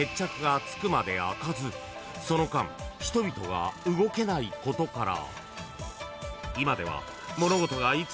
［その間人々が動けないことから今では］